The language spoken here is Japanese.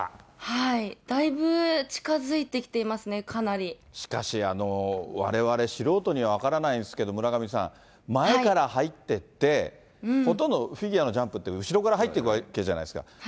だいぶ近づいてきていますね、しかし、われわれ素人には分からないんですけど、村上さん、前から入ってって、ほとんどフィギュアのジャンプって、後ろから入っていくわけじゃないですか。